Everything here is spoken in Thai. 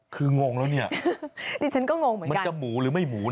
คืองงแล้วเนี่ยดิฉันก็งงเหมือนกันมันจะหมูหรือไม่หมูนะ